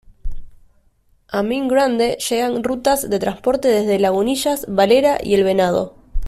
A Mene Grande llegan rutas de transporte desde Lagunillas, Valera y El Venado.